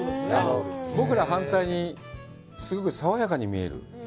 僕ら、反対にすごく爽やかに見える。